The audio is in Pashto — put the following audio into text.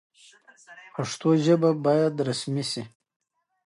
د خوګ غوښه واردول منع دي